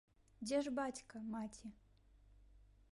Дзе ж бацька, маці?